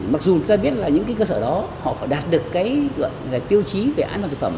mặc dù chúng ta biết là những cơ sở đó họ phải đạt được cái tiêu chí về án và thực phẩm